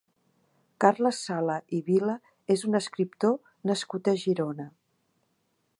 Carles Sala i Vila és un escriptor nascut a Girona.